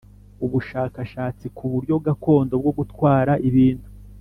ubushakashatsi ku buryo gakondo bwo gutwara ibintu